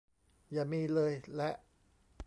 อย่ามีเลย ! และ